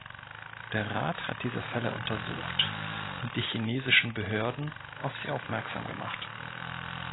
Der Rat hat diese Fälle untersucht und die chinesischen Behörden auf sie aufmerksam gemacht.